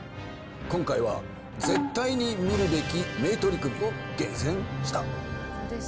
今回は絶対に見るべき名取組、厳選した。